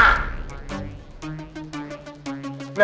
nah ini dia